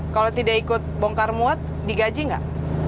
kalau tidak ikut bongkar muat digaji nggak